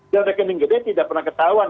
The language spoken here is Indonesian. dan rekening gede tidak pernah ketahuan